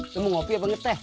lo mau kopi apa ngeteh